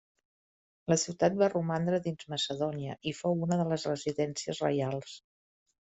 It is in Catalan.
La ciutat va romandre dins Macedònia i fou una de les residències reials.